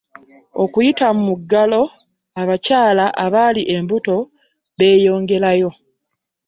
okuyita mu mugalo abakyala abali embuto b'eyongerayo